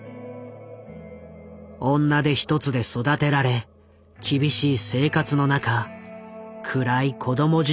女手一つで育てられ厳しい生活の中暗い子供時代を過ごした。